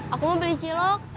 aku mau beli cilok